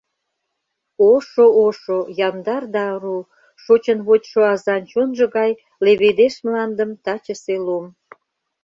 Ошо-ошо, яндар да ару, Шочын вочшо азан чонжо гай Леведеш мландым тачысе лум.